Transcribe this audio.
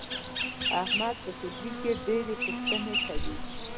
احمد په ټولګي کې ډېر پوښتنې کوي.